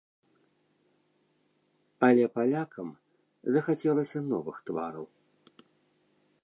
Але палякам захацелася новых твараў.